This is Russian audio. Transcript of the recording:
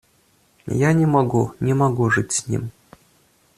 Я не могу, не могу жить с ним.